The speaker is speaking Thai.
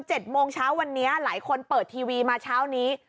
๗โมงเช้าวันนี้หลายคนเปิดทีวีมาเช้านี้